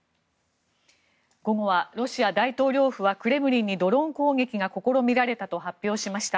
午後はロシア大統領府はクレムリンにドローン攻撃が試みられたと発表しました。